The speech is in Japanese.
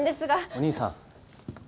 お兄さん。